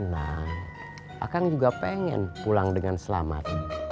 nah akan juga pengen pulang dengan selamat